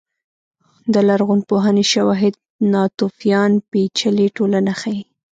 د لرغونپوهنې شواهد ناتوفیان پېچلې ټولنه ښيي.